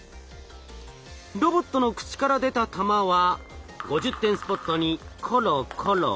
ロボットの口から出た玉は５０点スポットにコロコロコロ。